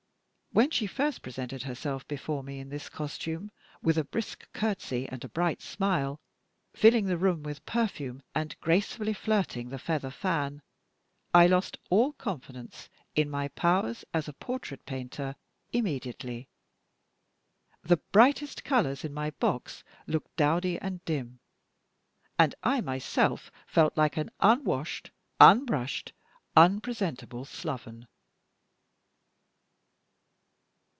When she first presented herself before me in this costume, with a brisk courtesy and a bright smile, filling the room with perfume, and gracefully flirting the feather fan, I lost all confidence in my powers as a portrait painter immediately. The brightest colors in my box looked dowdy and dim, and I myself felt like an unwashed, unbrushed, unpresentable sloven.